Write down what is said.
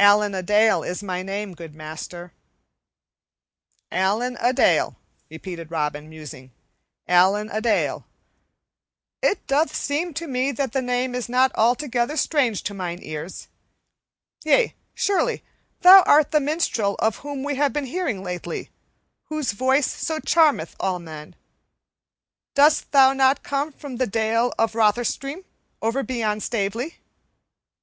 "Allen a Dale is my name, good master." "Allen a Dale," repeated Robin, musing. "Allen a Dale. It doth seem to me that the name is not altogether strange to mine ears. Yea, surely thou art the minstrel of whom we have been hearing lately, whose voice so charmeth all men. Dost thou not come from the Dale of Rotherstream, over beyond Stavely?"